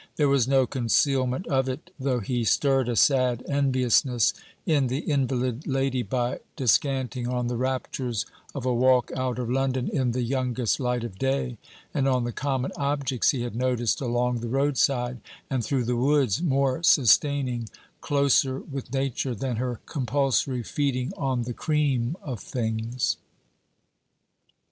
There was no concealment of it, though he stirred a sad enviousness in the invalid lady by descanting on the raptures of a walk out of London in the youngest light of day, and on the common objects he had noticed along the roadside, and through the woods, more sustaining, closer with nature than her compulsory feeding on the cream of things.